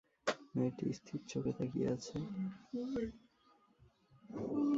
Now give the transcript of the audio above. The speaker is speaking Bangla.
মেয়েটি স্থির চোখে তাকিয়ে আছে।